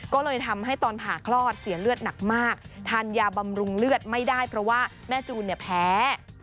ก็เลยทำให้ตอนผ่าคลอดเสียเลือดหนักมากทานยาบำรุงเลือดไม่ได้เพราะว่าแม่จูนเนี่ยแพ้